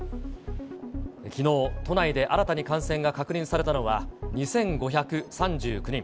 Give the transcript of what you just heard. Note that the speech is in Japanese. きのう、都内で新たに感染が確認されたのは、２５３９人。